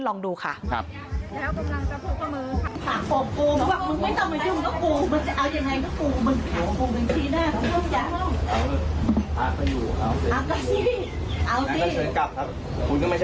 ก็ไม่ได้ไม่ได้ค่ะไม่ได้ค่ะ